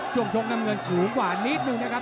ชกน้ำเงินสูงกว่านิดนึงนะครับ